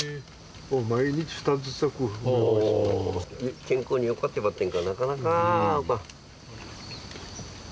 健康によかってばってんがなかなかやっぱ。